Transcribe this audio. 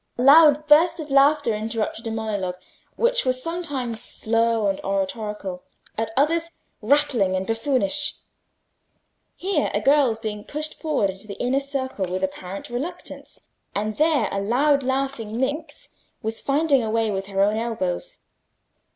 Loud bursts of laughter interrupted a monologue which was sometimes slow and oratorical, at others rattling and buffoonish. Here a girl was being pushed forward into the inner circle with apparent reluctance, and there a loud laughing minx was finding a way with her own elbows.